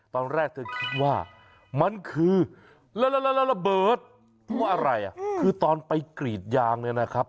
ตอนแรกเธอคิดว่ามันคือระเบิดเพราะอะไรอ่ะคือตอนไปกรีดยางเนี่ยนะครับ